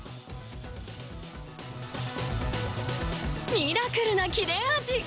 ミラクルな切れ味！